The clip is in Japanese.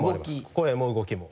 声も動きも。